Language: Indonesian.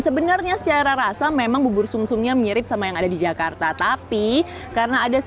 sebenarnya secara rasa memang bubur sumsungnya mirip sama yang ada di jakarta tapi karena ada